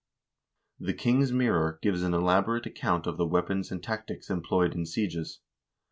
"The King's Mirror" gives an elaborate account of the weapons and tactics employed in sieges.